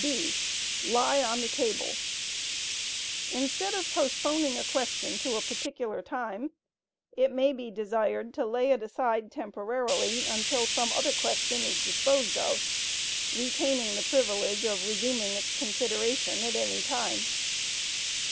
(b) Lie on the table. Instead of postponing a question to a particular time, it may be desired to lay it aside temporarily until some other question is disposed of, retaining the privilege of resuming its consideration at any time.